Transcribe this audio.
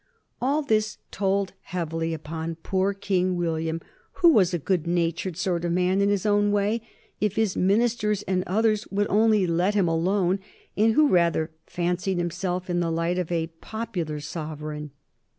All this told heavily upon poor King William, who was a good natured sort of man in his own way if his ministers and others would only let him alone, and who rather fancied himself in the light of a popular sovereign.